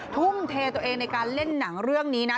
ทุ่มเทตัวเองในการเล่นหนังเรื่องนี้นะ